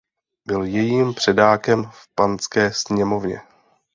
Byl jejím předákem v Panské sněmovně.